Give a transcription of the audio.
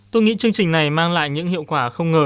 tôi nghĩ chương trình này mang lại những hiệu quả không ngờ